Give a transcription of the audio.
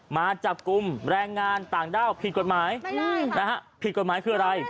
มาจับกลุ่มแรงงานต่างด้าวผิดกฎหมายนะฮะผิดกฎหมายคืออะไร